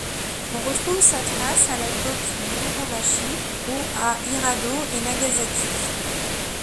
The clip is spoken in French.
On retrouve sa trace à l'époque Muromachi, au à Hirado et Nagasaki.